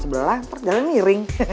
sebelah sebelah ntar jalan miring